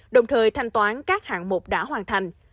đồng thời thanh toán các hạng mục đã hoàn thành